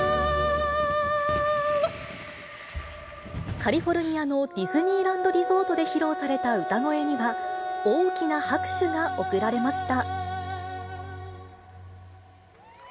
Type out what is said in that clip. カリフォルニアのディズニーランド・リゾートで披露された歌声には、大きな拍手が送られました。